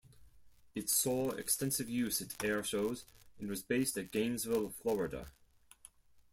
It saw extensive use at air shows, and was based at Gainesville, Florida.